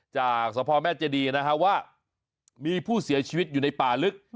จากสพแม่เจดีนะฮะว่ามีผู้เสียชีวิตอยู่ในป่าลึก